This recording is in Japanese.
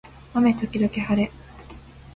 雨時々はれ